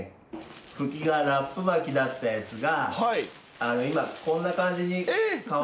フキがラップ巻きだったやつが今こんな感じに変わりました。